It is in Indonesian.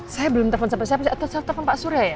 saya belum telepon siapa siapa atau saya telpon pak surya ya